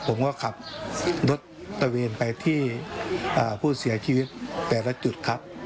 ผมก็ขับรถตะเวนไปที่ผู้เสียชีวิตแต่ละจุดครับ